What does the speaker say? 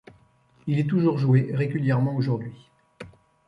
Il est toujours joué régulièrement aujourd'hui.